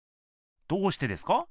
どうしてですか？